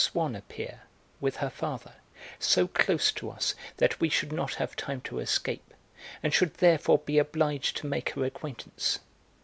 Swann appear, with her father, so close to us that we should not have time to escape, and should therefore be obliged to make her acquaintance.